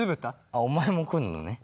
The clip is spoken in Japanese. ああお前も来んのね。